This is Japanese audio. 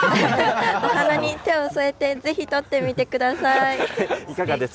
お花に手を添えてぜひ撮ってみてください。